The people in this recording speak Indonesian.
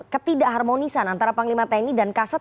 ketidak harmonisan antara panglima tni dan kasat